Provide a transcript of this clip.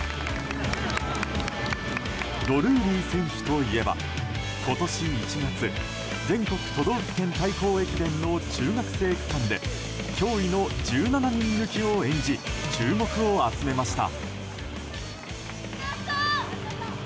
ドルーリー選手といえば今年１月全国都道府県対抗駅伝の中学生区間で驚異の１７人抜きを演じ注目を集めました。